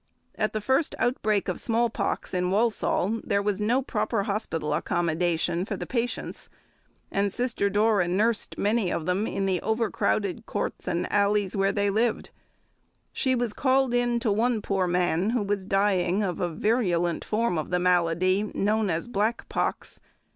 At the first outbreak of small pox in Walsall there was no proper hospital accommodation for the patients; and Sister Dora nursed many of them in the overcrowded courts and alleys where they lived. She was called in to one poor man who was dying of a virulent form of the malady known as "black pox."